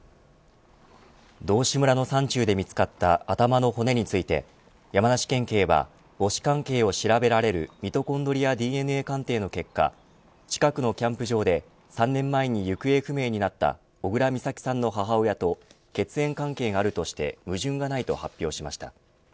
道志村の山中で見つかった頭の骨について、山梨県警は母子関係を調べられるミトコンドリアＤＮＡ鑑定の結果近くのキャンプ場で３年前に行方不明になった小倉美咲さんの母親と血縁関係があるとして矛盾がないと発表しました。